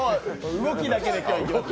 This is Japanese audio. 動きだけで今日は。